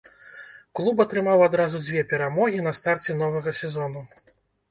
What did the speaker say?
Клуб атрымаў адразу дзве перамогі на старце новага сезону.